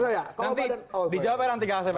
nanti dijawabkan nanti kang asep